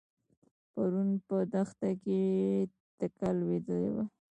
پرون په دښته کې ټکه لوېدلې وه.